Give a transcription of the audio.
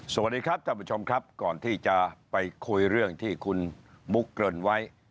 สวัสดีครับท่านผู้ชมครับก่อนที่จะไปคุยเรื่องที่คุณบุ๊กเกริ่นไว้